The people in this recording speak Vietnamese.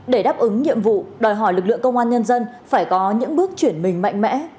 để đáp ứng nhiệm vụ đòi hỏi lực lượng công an nhân dân phải có những bước chuyển mình mạnh mẽ